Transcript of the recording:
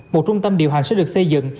một trung tâm điều hành sẽ được xây dựng